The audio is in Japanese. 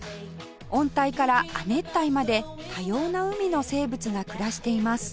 温帯から亜熱帯まで多様な海の生物が暮らしています